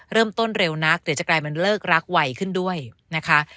เริ่มต้นเร็วนักเดี๋ยวจะกลายเป็นเลิกรักไวขึ้นด้วยนะคะ